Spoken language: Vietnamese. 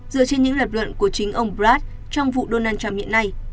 dựa trên những lập luận của chính ông brad trong vụ donald trump hiện nay